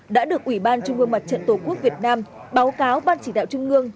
đã được ủy ban trung ương mặt trận tổ quốc việt nam báo cáo ban chỉ đạo trung ương